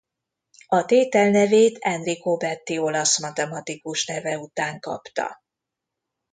A tétel nevét Enrico Betti olasz matematikus neve után kapta.